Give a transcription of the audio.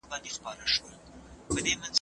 موسیقي د زړه درزا منظموي.